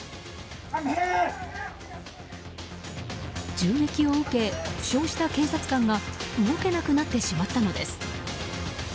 銃撃を受けて負傷した警察官が動けなくなってしまったのです。